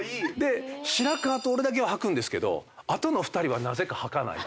白川と俺だけははくんですけどあとの２人はなぜかはかない。